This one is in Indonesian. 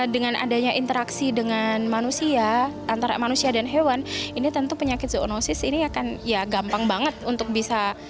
dengan adanya interaksi dengan manusia antara manusia dan hewan ini tentu penyakit zoonosis ini akan ya gampang banget untuk bisa